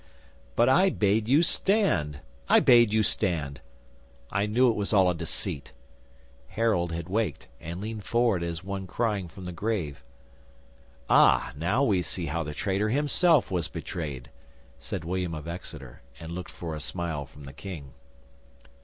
'"But I bade you stand! I bade you stand! I knew it was all a deceit!" Harold had waked, and leaned forward as one crying from the grave. '"Ah, now we see how the traitor himself was betrayed!" said William of Exeter, and looked for a smile from the King.